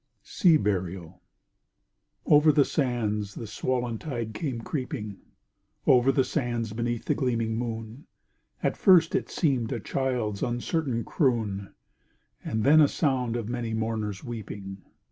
SEA BURIAL Over the sands the swollen tide came creeping, Over the sands beneath the gleaming moon; At first it seemed a child's uncertain croon, And then a sound of many mourners weeping.